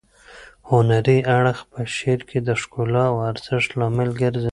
هنري اړخ په شعر کې د ښکلا او ارزښت لامل ګرځي.